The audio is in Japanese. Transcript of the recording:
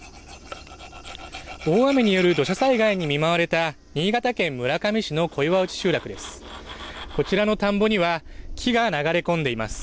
大雨による土砂災害に見舞われた新潟県村上市の小岩内集落です。